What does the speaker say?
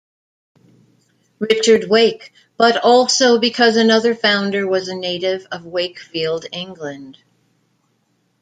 Richard Wake, but also because another founder was a native of Wakefield, England.